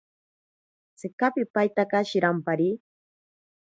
Tsika pipaitaka shirampari.